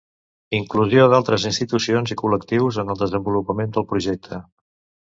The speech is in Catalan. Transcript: Inclusió d'altres institucions i col·lectius en el desenvolupament del projecte.